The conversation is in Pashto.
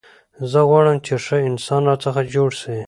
زه غواړم، چي ښه انسان راڅخه جوړ سي.